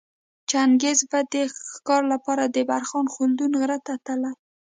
چنګیز به د ښکاره لپاره د برخان خلدون غره ته تلی